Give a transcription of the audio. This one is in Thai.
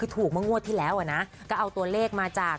ถูกมางวดที่แล้วก็เอาตัวเลขมาจาก